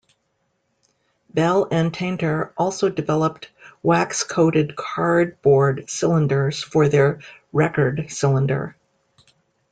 Bell and Tainter also developed wax-coated cardboard cylinders for their record cylinder.